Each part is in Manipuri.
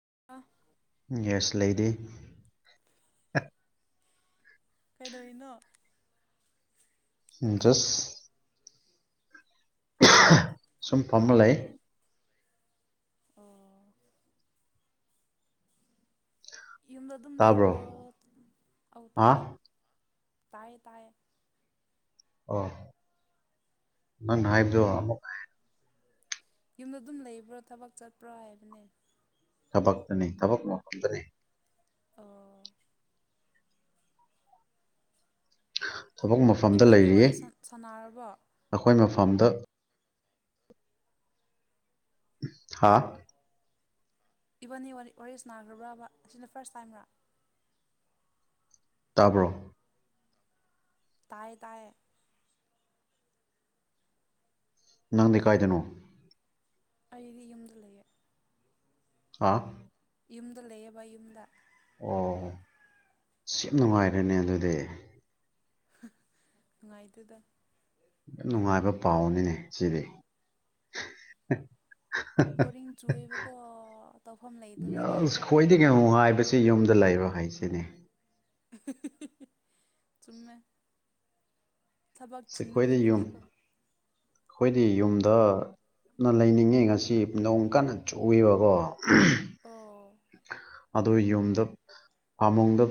[inaudible] ꯌꯦꯁ ꯂꯩꯗꯤ ꯀꯩꯗꯧꯔꯤꯅꯣ ꯖꯁ ꯁꯨꯝ ꯐꯝꯃ ꯂꯩꯌꯦ ꯑꯣ ꯌꯨꯝꯗ ꯑꯗꯨꯝ ꯂꯩꯕ꯭ꯔꯣ ꯇꯥꯕ꯭ꯔꯣ ꯑꯧ ꯇꯥꯏ ꯍꯥ ꯇꯥꯏ ꯇꯥꯏꯌꯦ ꯑꯣ ꯅꯪ ꯍꯥꯏꯕꯗꯣ ꯑꯃꯨꯛ ꯌꯨꯝꯗ ꯑꯗꯨꯝ ꯂꯩꯕ꯭ꯔꯣ ꯊꯕꯛ ꯆꯠꯄ꯭ꯔꯣ ꯍꯥꯏꯕꯅꯦ ꯊꯕꯛꯇꯅꯤ ꯊꯕꯛ ꯃꯐꯝꯗꯅꯤ ꯑꯣ ꯊꯕꯛ ꯃꯐꯝꯗ ꯏꯕꯥꯅꯤ ꯂꯩꯔꯤꯌꯦ ꯋꯥꯔꯤ ꯁꯥꯟꯅꯔꯕꯣ ꯑꯩꯈꯣꯏ ꯃꯐꯝꯗ ꯍꯥꯥ ꯏꯕꯥꯟꯅꯤ ꯋꯥꯔꯤ ꯁꯅꯥ ꯅꯥꯈ꯭ꯔꯕ꯭ꯔꯕ ꯑꯁꯤꯅ ꯐꯥꯔꯁ ꯇꯥꯏꯝꯔꯥ ꯇꯥꯕ꯭ꯔꯣ ꯇꯥꯏ ꯇꯥꯏꯌꯦ ꯅꯪꯗꯤ ꯀꯥꯏꯗꯅꯣ ꯑꯩꯗꯤ ꯌꯨꯝꯗ ꯂꯩꯌꯦ ꯍꯥ ꯌꯨꯝꯗ ꯂꯩꯌꯦꯕ ꯌꯨꯝꯗ ꯑꯣ ꯁꯤ ꯌꯥꯝ ꯅꯨꯡꯉꯥꯏꯔꯦꯅꯦ ꯑꯗꯨꯗꯤ ꯅꯨꯡꯉꯥꯏꯇꯦꯗ ꯌꯥꯝ ꯅꯨꯡꯉꯥꯏꯕ ꯄꯥꯎꯅꯤꯅꯦ ꯁꯤꯗꯤ ꯕꯣꯔꯤꯡ ꯆꯨꯏꯕꯀꯣ ꯇꯧꯐꯝ ꯂꯩꯇꯕꯒꯤ ꯁꯤ ꯌꯨꯝꯗ ꯂꯩꯔ ꯍꯥꯏꯁꯤꯅꯦ ꯆꯨꯝꯃꯦ ꯊꯕꯛ ꯁꯤ ꯆꯤꯟꯕ ꯑꯩꯈꯣꯏꯗꯤ ꯌꯨꯝ ꯃꯤꯒꯤꯗꯤꯀꯣ ꯑꯩꯈꯣꯏꯗꯤ ꯌꯨꯝꯗ ꯅ ꯂꯩꯅꯤꯡꯉꯦ ꯉꯁꯤ ꯅꯣꯡ ꯀꯟꯅ ꯆꯨꯏꯕꯀꯣ ꯑꯣ ꯑꯗꯨ ꯌꯨꯝꯗ ꯐꯥꯃꯨꯡꯗ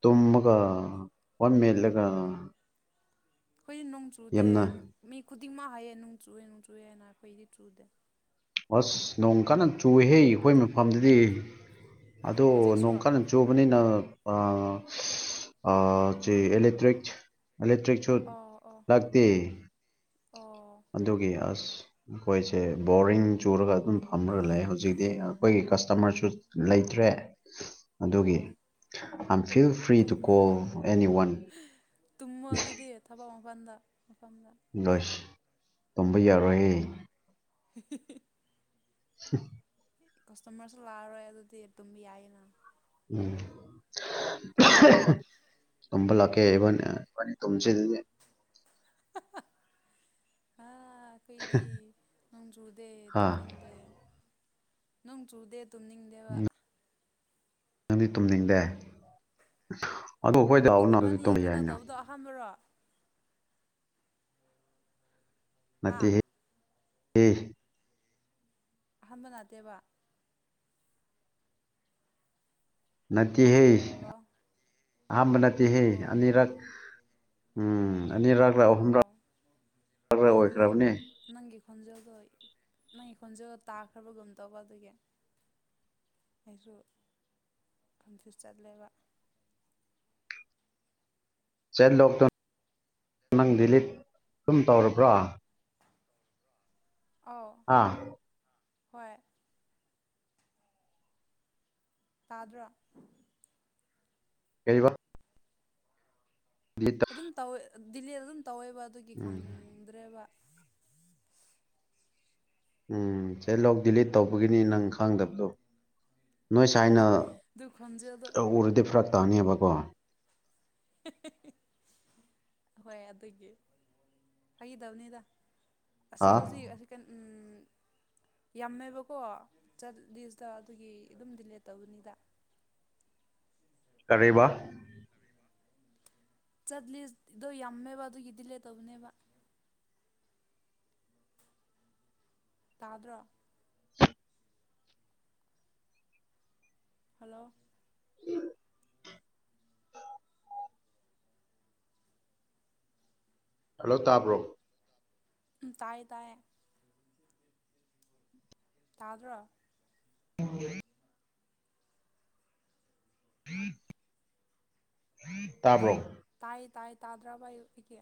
ꯇꯨꯝꯃꯒ ꯐꯣꯟ ꯃꯦꯠꯂꯒ ꯑꯩꯈꯣꯏꯗꯤ ꯅꯣꯡ ꯆꯨꯗꯦ ꯌꯥꯝꯅ ꯃꯤ ꯈꯨꯗꯤꯡꯃꯛ ꯍꯥꯏꯌꯦ ꯅꯣꯡ ꯆꯨꯌꯦ ꯅꯣꯡ ꯆꯨꯌꯦ ꯍꯥꯏꯅ ꯑꯩꯈꯣꯏꯗꯤ ꯆꯨꯗꯦ ꯑꯁ ꯅꯣꯡ ꯀꯟꯅ ꯆꯨꯍꯦ ꯑꯩꯈꯣꯏ ꯃꯐꯝꯗꯗꯤ ꯑꯣ ꯑꯗꯣ ꯍꯧꯖꯤꯛꯁꯨ ꯅꯣꯡꯀꯟꯗ ꯆꯨꯕꯅꯤꯅ ꯑ ꯑ ꯆꯦ ꯑꯦꯂꯦꯛꯇ꯭ꯔꯤꯛ ꯑꯦꯂꯦꯛꯇ꯭ꯔꯤꯛꯁꯨ ꯑꯣ ꯑꯣ ꯂꯥꯛꯇꯦ ꯑꯣ ꯑꯗꯨꯒꯤ ꯑꯁ ꯑꯩꯈꯣꯏꯁꯦ ꯕꯣꯔꯤꯡ ꯆꯨꯔꯒ ꯑꯗꯨꯝ ꯐꯝꯃꯒ ꯂꯩ ꯍꯧꯖꯤꯛꯇꯤ ꯑꯩꯈꯣꯏꯒꯤ ꯀꯁꯇꯃꯔꯁꯨ ꯂꯩ ꯇ꯭ꯔꯦ ꯑꯗꯨꯒꯤ ꯑꯣ I'm feel free to call any one ꯃꯄꯥꯟꯗ ꯃꯄꯥꯟ ꯂꯁ ꯇꯨꯝꯕ ꯌꯥꯔꯣꯏ ꯍꯦ [unintelligible] [unintelligible] ꯀꯁꯇꯃꯔꯁꯨ ꯂꯥꯛꯑꯔꯣꯏ ꯑꯗꯨꯗꯤ ꯇꯨꯝꯕ ꯌꯥꯏꯌꯦꯅ ꯎꯝ ꯇꯨꯝꯕ ꯂꯥꯛꯀꯦ ꯏꯕꯅꯤ ꯇꯨꯝꯁꯦ ꯑꯗꯨꯗꯤ ꯍꯥ ꯑꯈꯣꯏꯗꯤ ꯅꯣꯡ ꯆꯨꯗꯦ ꯍꯥ ꯇꯨꯝꯅꯤꯡꯗꯦ ꯅꯣꯡ ꯆꯨꯗꯦ ꯇꯨꯝꯅꯤꯡꯗꯦꯕ ꯅꯪꯗꯤ ꯇꯨꯝꯅꯤꯡꯗꯦ ꯑꯗꯣ ꯑꯩꯈꯣꯏꯗ ꯑꯣ ꯂꯥꯛꯎꯅ ꯑꯗꯨꯗꯤ ꯏꯕꯥꯅꯤ ꯇꯨꯝꯕ ꯀꯩꯅꯣ ꯌꯥꯏꯅ ꯇꯧꯕꯗꯣ ꯑꯍꯥꯟꯕꯔꯣ ꯍꯥ ꯅꯠꯇꯦꯍꯦ ꯍꯦ ꯑꯍꯥꯟꯕ ꯅꯥꯠꯇꯦꯕ ꯅꯠꯇꯦꯍꯦ ꯍꯜꯂꯣ ꯑꯍꯥꯝꯕ ꯅꯠꯇꯦꯍꯦ ꯑꯅꯤꯔꯛ ꯑꯣ ꯎꯝ ꯑꯅꯤꯔꯛꯂꯥ ꯑꯍꯨꯝꯔꯛ ꯑꯣ ꯔꯛꯂꯥ ꯅꯪ ꯅꯪ ꯑꯣꯏꯈ꯭ꯔꯕꯅꯦ ꯅꯪꯒꯤ ꯈꯣꯟꯖꯦꯜꯗꯣ ꯅꯪ ꯈꯣꯟꯖꯦꯜ ꯇꯥꯈ꯭ꯔꯕꯒꯨꯝ ꯇꯧꯕ ꯑꯗꯨꯒꯤ ꯑꯩꯁꯨ ꯀꯟꯐ꯭ꯌꯨꯁ ꯆꯠꯂꯦꯕ ꯆꯦꯠꯂꯣꯛ ꯇꯝ ꯅꯪ ꯗꯤꯂꯤꯠ ꯗꯨꯝ ꯇꯧꯔꯕ꯭ꯔꯣ ꯑꯧ ꯑꯥ ꯍꯣꯏ ꯇꯥꯗ꯭ꯔꯣ ꯀꯩꯕ ꯗꯤꯂꯤꯠ ꯇꯧ ꯑꯗꯨꯝ ꯇꯧꯋꯦ ꯗꯤꯂꯦꯗ ꯑꯗꯨꯝ ꯇꯧꯋꯦꯕ ꯑꯗꯨꯒꯤ ꯎꯝ ꯈꯪꯗ꯭ꯔꯦꯕ ꯎꯝ ꯁꯦꯂꯣꯛ ꯗꯤꯂꯤꯠ ꯇꯧꯕꯒꯤꯅꯤ ꯅꯪ ꯈꯪꯗꯕꯗꯣ ꯅꯣꯏ ꯁꯥꯏꯅ ꯑꯗꯨ ꯈꯣꯟꯖꯦꯜꯗꯣ ꯇꯧꯔꯗꯤ ꯐꯔꯛ ꯇꯥꯅꯤꯕꯀꯣ ꯍꯤꯍꯤꯍꯤ ꯍꯣꯏ ꯑꯗꯨꯒꯤ ꯐꯒꯤ ꯇꯧꯕꯅꯤꯗ ꯑꯁꯤ ꯍꯧꯖꯤꯛ ꯑꯁꯤ ꯀꯟ ꯎꯝ ꯌꯥꯝꯃꯦꯕꯀꯣ ꯆꯠ ꯂꯤꯁꯇ ꯑꯗꯨꯒꯤ ꯑꯗꯨꯝ ꯗꯤꯂꯦꯠ ꯇꯧꯕꯅꯤꯗ ꯀꯔꯤꯕ ꯆꯠ ꯂꯤꯁꯗꯣ ꯌꯥꯝꯃꯦꯕ ꯑꯗꯨꯒꯤ ꯗꯤꯂꯦ ꯇꯧꯕꯅꯦꯕ ꯇꯥꯗ꯭ꯔꯣ ꯍꯜꯂꯣ [inaudible] ꯍꯜꯂꯣ ꯇꯥꯕ꯭ꯔꯣ ꯇꯥꯏꯌꯦ ꯇꯥꯏꯌꯦ ꯇꯥꯗ꯭ꯔꯣ [unintelligible] ꯇꯥꯕ꯭ꯔꯣ ꯇꯥꯏ ꯇꯥꯏ ꯇꯥꯗ꯭ꯔꯕ ꯑꯩꯀꯤ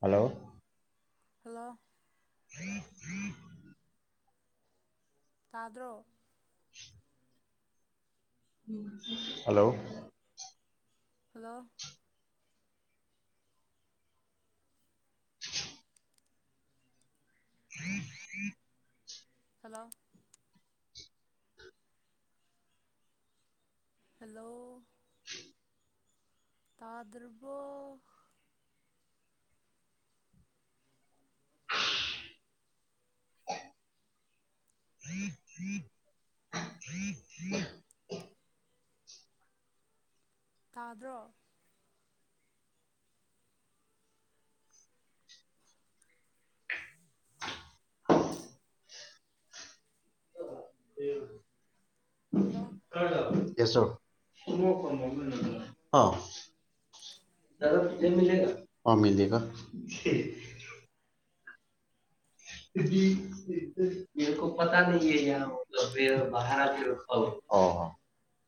ꯍꯜꯂꯣ ꯍꯜꯂꯣ [inaudible] ꯇꯥꯗ꯭ꯔꯣ ꯍꯜꯂꯣ ꯍꯜꯂꯣ ꯍꯜꯂꯣ ꯍꯜꯂꯣ ꯇꯥꯗ꯭ꯔꯕꯣ [inaudible] [inaudible] [inaudible] ꯇꯥꯗ꯭ꯔꯣ ꯍꯜꯂꯣ [unintelligible] [unintelligible] [unintelligible] [unintelligible] [unintelligible]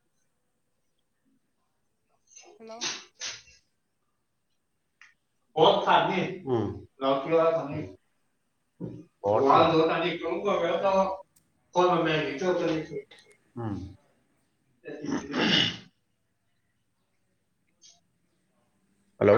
ꯍꯜꯂꯣ [unintelligible] [unintelligible] [unintelligible] ꯎꯝ ꯍꯜꯂꯣ